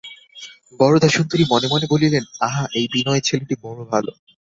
বরদাসুন্দরী মনে মনে বলিলেন, আহা, এই বিনয় ছেলেটি বড়ো ভালো।